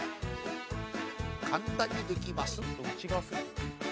簡単にできます。